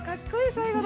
最後！